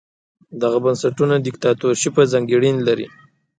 دغو بنسټونو دیکتاتورشیپه ځانګړنې لرلې.